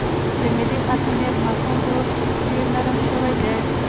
د ملي حاکمیت مفهوم اوس ډیر نرم شوی دی